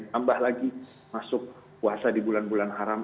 tambah lagi masuk puasa di bulan bulan haram